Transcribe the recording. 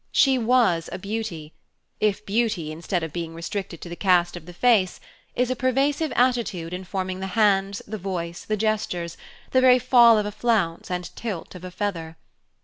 She was a beauty, if beauty, instead of being restricted to the cast of the face, is a pervasive attribute informing the hands, the voice, the gestures, the very fall of a flounce and tilt of a feather.